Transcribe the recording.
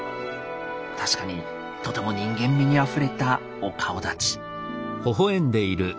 確かにとても人間味にあふれたお顔立ち。